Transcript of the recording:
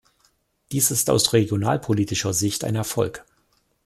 Dies ist aus regionalpolitischer Sicht ein Erfolg.